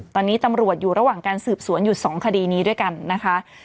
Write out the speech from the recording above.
ตอนนี้ตำรวจอยู่ระหว่างการสืบสวนอยู่๒คดีนี้ด้วยกันนะคะ